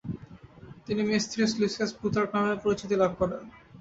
তিনি Mestrius Lucius Plutarch নামে পরিচিতি লাভ করেন।